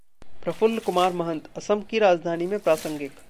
प्रफुल्ल कुमार महंत: असम की राजनीति में प्रासंगिक